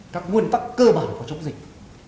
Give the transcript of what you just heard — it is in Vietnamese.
các nguyên tắc cơ bản của chống dịch